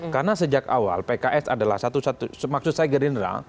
karena sejak awal pks adalah satu satu maksud saya gerindra